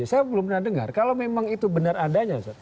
saya belum pernah dengar kalau memang itu benar adanya